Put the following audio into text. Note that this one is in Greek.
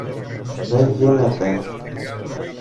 Δε γίνεται!